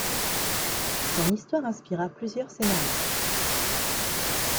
Son histoire inspira plusieurs scénaristes.